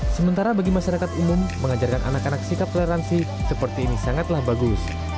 sementara bagi masyarakat umum mengajarkan anak anak sikap toleransi seperti ini sangatlah bagus